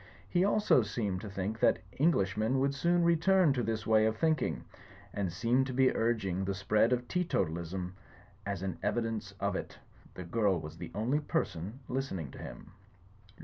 He also seemed to think that Englishmen would soon return to this way of think ing; and seemed to be urging the spread of teetotalism as an evidence of it. The girl was the only person listening to him.